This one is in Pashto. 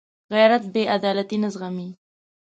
غیرت بېعدالتي نه زغمي